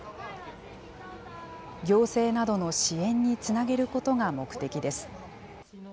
行政などの支援につなげることが目的です。